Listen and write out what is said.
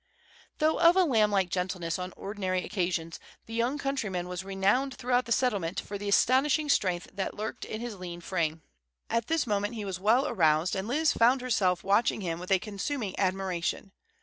Though of a lamb like gentleness on ordinary occasions, the young countryman was renowned throughout the Settlement for the astonishing strength that lurked in his lean frame. At this moment he was well aroused, and Liz found herself watching him with a consuming admiration.